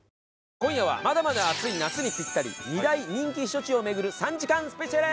今夜はまだまだ暑い夏にピッタリ２大人気避暑地を巡る３時間スペシャル！